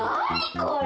これ！